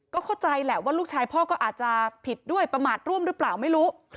ก็เข้าใจแหละว่าลูกชายพ่อก็อาจจะผิดด้วยประมาทร่วมหรือเปล่าไม่รู้